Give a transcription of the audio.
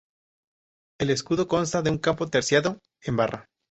El escudo consta de un campo terciado en barra.